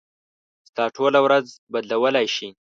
ستا ټوله ورځ بدلولی شي.